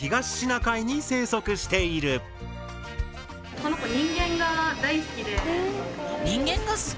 この子人間が好き